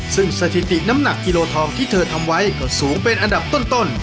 ซึ่งสถิติน้ำหนักกิโลทองที่เธอทำไว้ก็สูงเป็นอันดับต้น